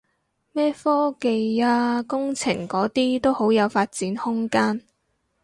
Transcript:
咩科技啊工程嗰啲都好有發展空間